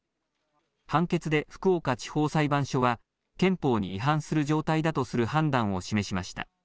判決で福岡地方裁判所は憲法に違反する状態だとする判断を示しました。